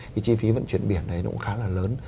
cái chi phí vận chuyển biển này nó cũng khá là lớn